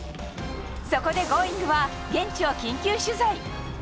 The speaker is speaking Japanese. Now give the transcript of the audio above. そこで「Ｇｏｉｎｇ！」は現地を緊急取材。